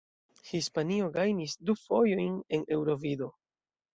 Hispanio gajnis du fojojn en Eŭrovido.